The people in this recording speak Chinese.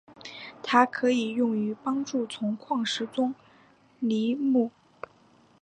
它可用于帮助从矿石中分离钼。